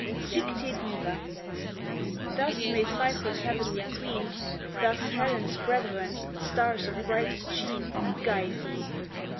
SIC TE DIVA. Thus may Cyprus' heavenly queen, Thus Helen's brethren, stars of brightest sheen, Guide thee!